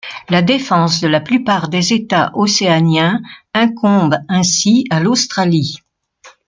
La défense de la plupart des États océaniens incombe ainsi à l'Australie.